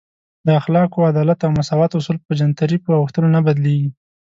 د اخلاقو، عدالت او مساوات اصول په جنترۍ په اوښتلو نه بدلیږي.